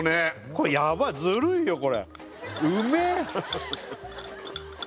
これやばいずるいよこれうめえ！